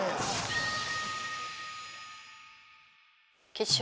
決勝